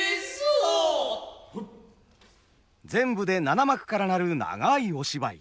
全部で七幕から成る長いお芝居。